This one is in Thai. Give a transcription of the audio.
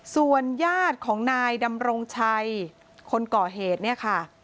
ส่วนญาติของนายดำรงชัยคนก่อเหตุเนี่ยค่ะ